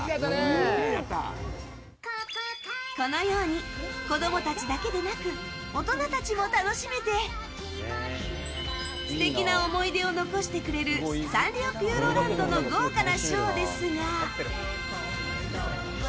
このように子供たちだけでなく大人たちも楽しめて素敵な思い出を残してくれるサンリオピューロランドの豪華なショーですが。